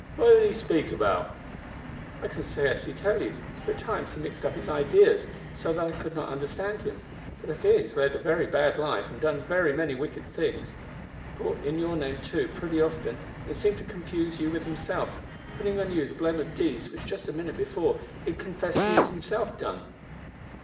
"What did he speak about?" "I can scarcely tell you, for at times he mixed up his ideas so that I could not understand him, but I fear he has led a very bad life and done many wicked things. He brought in your name, too, pretty often, and seemed to confuse you with himself, putting on you the blame of deeds which just a minute before he had confessed he had himself done."